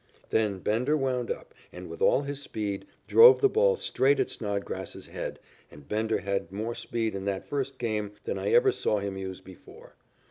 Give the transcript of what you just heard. Then Bender wound up and with all his speed drove the ball straight at Snodgrass's head, and Bender had more speed in that first game than I ever saw him use before.